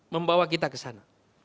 membawa kita kesana